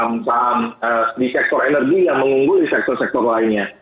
kinerja saham di sektor energi yang mengunggul di sektor sektor lainnya